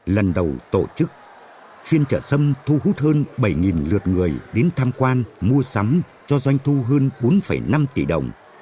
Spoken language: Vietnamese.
lần đầu tổ chức phiên trở sâm thu hút hơn bảy lượt người đến tham quan mua sắm cho doanh thu hơn bốn năm tỷ đồng